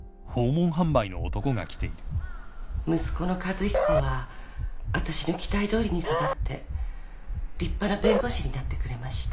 息子の和彦はわたしの期待どおりに育って立派な弁護士になってくれました。